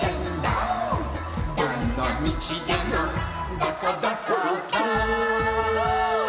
「どんなみちでもどこどこどーん」